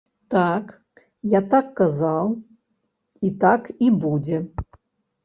Так, я так казаў, і так і будзе.